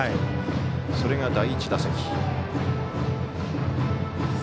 それが第１打席。